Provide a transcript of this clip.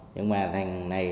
nhưng mà thằng này